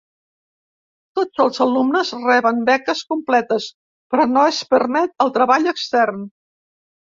Tots els alumnes reben beques completes, però no es permet el treball extern.